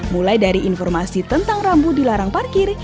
mulai dari informasi tentang rambu dilarang parkir